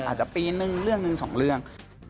อาจจะปีนึงเรื่องหนึ่งสองเรื่อง